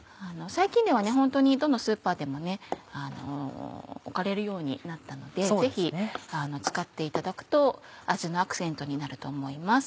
最近では本当にどのスーパーでも置かれるようになったのでぜひ使っていただくと味のアクセントになると思います。